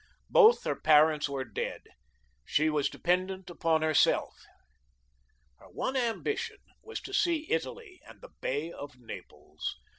Both her parents were dead; she was dependent upon herself. Her one ambition was to see Italy and the Bay of Naples.